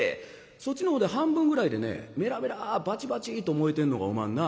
そっちの方で半分ぐらいでねメラメラバチバチと燃えてんのがおまんな？」。